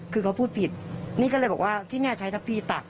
คือเขาพูดผิดนี่ก็เลยบอกว่าที่แน่ใช้ถ้าพี่ตัก